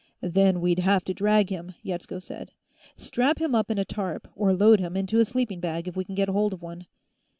"Then we'd have to drag him," Yetsko said. "Strap him up in a tarp, or load him into a sleeping bag, if we can get hold of one."